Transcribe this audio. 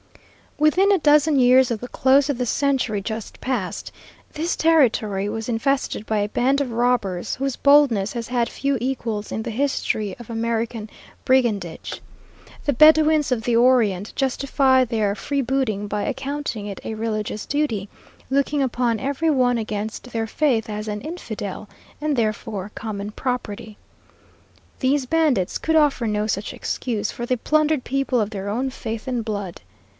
Within a dozen years of the close of the century just past, this territory was infested by a band of robbers, whose boldness has had few equals in the history of American brigandage. The Bedouins of the Orient justify their freebooting by accounting it a religious duty, looking upon every one against their faith as an Infidel, and therefore common property. These bandits could offer no such excuse, for they plundered people of their own faith and blood.